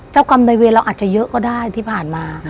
กรรมในเวรเราอาจจะเยอะก็ได้ที่ผ่านมา